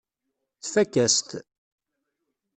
Tfakk-as-t.